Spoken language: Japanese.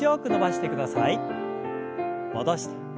戻して。